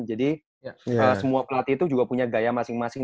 jadi semua pelatih itu juga punya gaya masing masing